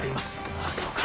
あぁそうか。